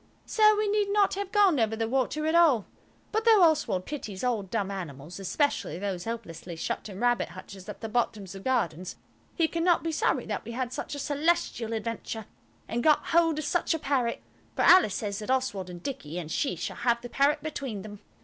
So we need not have gone over the water at all. But though Oswald pities all dumb animals, especially those helplessly shut in rabbit hutches at the bottoms of gardens, he cannot be sorry that we had such a Celestial adventure and got hold of such a parrot. For Alice says that Oswald and Dicky and she shall have the parrot between them.